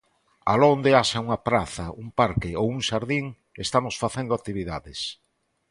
Aló onde haxa unha praza, un parque ou un xardín estamos facendo actividades.